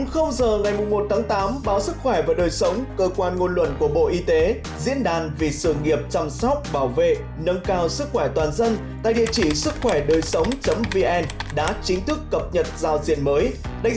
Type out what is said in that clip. hãy đăng ký kênh để ủng hộ kênh của chúng mình nhé